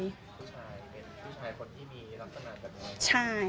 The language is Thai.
ผู้ชายเห็นผู้ชายคนที่มีลักษณะแบบนี้